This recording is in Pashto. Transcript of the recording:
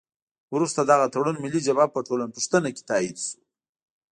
وروسته دغه تړون ملي جبهه په ټولپوښتنه کې تایید شو.